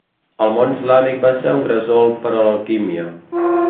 El món islàmic va ser un gresol per a l'alquímia.